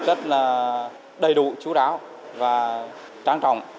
rất là đầy đủ chú đáo và trang trọng